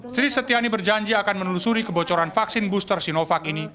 sri setiani berjanji akan menelusuri kebocoran vaksin booster sinovac ini